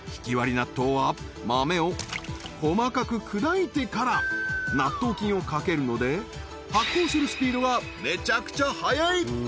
納豆は豆を細かく砕いてから納豆菌をかけるので発酵するスピードがメチャクチャ早い！